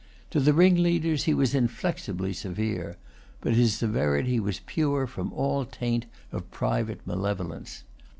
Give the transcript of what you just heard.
To the ringleaders he was inflexibly severe; but his severity was pure from all taint of private malevolence.